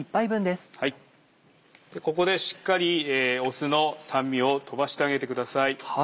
ここでしっかり酢の酸味を飛ばしてあげてください。